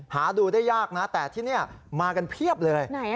หาดูได้ยากนะแต่ที่นี่มากันเพียบเลย